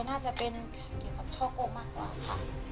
น่าจะเป็นเกี่ยวกับช่อโกงมากกว่าค่ะ